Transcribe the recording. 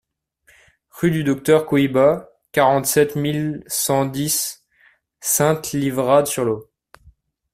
Rue du Docteur Couyba, quarante-sept mille cent dix Sainte-Livrade-sur-Lot